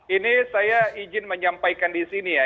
ini saya izin menyampaikan di sini ya